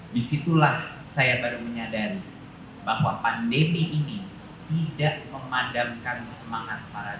di situlah saya baru menyadari bahwa pandemi ini tidak memadamkan semangat para guru